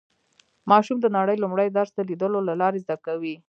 ماشوم د نړۍ لومړی درس د لیدلو له لارې زده کوي